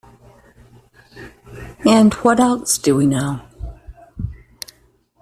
And what else do we know?